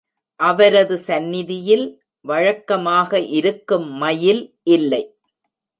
அவரது சந்நிதியில் வழக்கமாக இருக்கும் மயில் இல்லை.